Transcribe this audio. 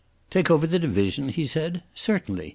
"Take over the division?" he said. "Certainly.